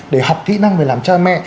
để học kỹ năng về làm cha mẹ